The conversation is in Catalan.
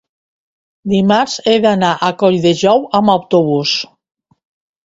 dimarts he d'anar a Colldejou amb autobús.